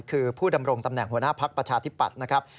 คือผู้ดำรงตำแหน่งหัวหน้าภักดิ์ประชาธิปัตย์นะครับ